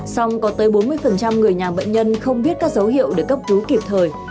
song có tới bốn mươi người nhà bệnh nhân không biết các dấu hiệu để cấp cứu kịp thời